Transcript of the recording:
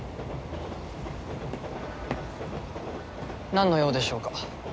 なんの用でしょうか？